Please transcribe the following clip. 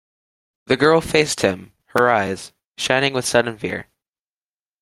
The girl faced him, her eyes shining with sudden fear.